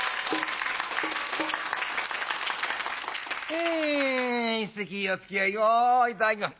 え一席おつきあいを頂きます。